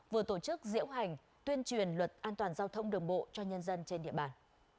vừa tổ chức diễu hành tuyên truyền luật an toàn giao thông đường bộ cho nhân dân trên địa bàn